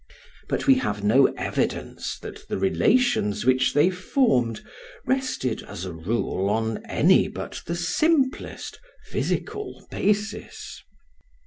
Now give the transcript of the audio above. But we have no evidence that the relations which they formed rested as a rule on any but the simplest physical basis.